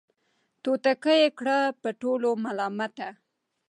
توتکۍ یې کړه په ټولو ملامته